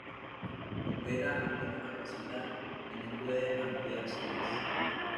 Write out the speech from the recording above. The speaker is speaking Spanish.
Opera a plena capacidad, y no puede ampliarse más.